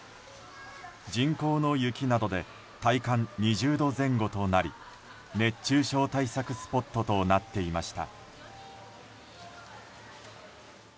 人工の雪などで体感２０度前後となり熱中症対策スポットとなっていました。